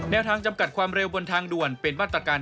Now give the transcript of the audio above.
ทางจำกัดความเร็วบนทางด่วนเป็นมาตรการ